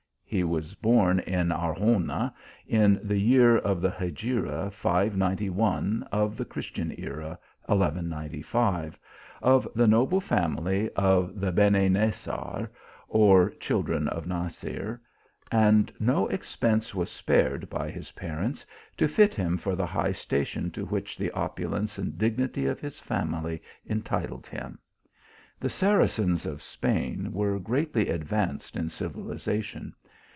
He was born in Arjona, in the year of the Hegira, 591, of the Christian era, 1195, of the noble family of the Beni Nasar, or children of Nasar, and no ex pense was spared by his parents to fit him for the high station to which the opulence and dignity of his family entitled him. The Saracens of Spain were greatly advanced in civilization.